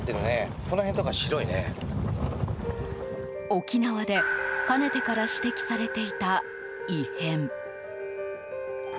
沖縄でかねてから指摘されていた異変。